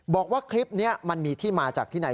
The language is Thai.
บอกว่าคลิปนี้มันมีที่มาจากที่ไหน